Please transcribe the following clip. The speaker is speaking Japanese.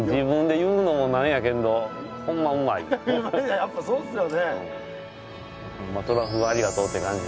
やっぱそうっすよね。